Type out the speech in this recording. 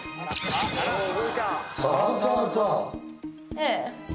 ええ。